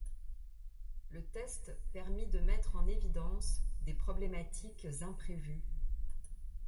Le test permit de mettre en évidence des problématiques imprévues.